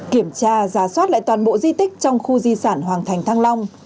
kiểm tra giả soát lại toàn bộ di tích trong khu di sản hoàng thành thăng long